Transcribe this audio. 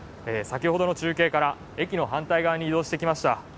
先ほどの中継から駅の反対側に移動してきました。